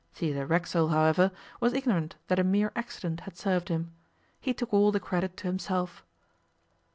Theodore Racksole, however, was ignorant that a mere accident had served him. He took all the credit to himself.